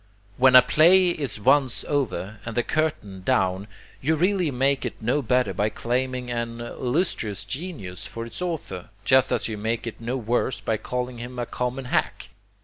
When a play is once over, and the curtain down, you really make it no better by claiming an illustrious genius for its author, just as you make it no worse by calling him a common hack.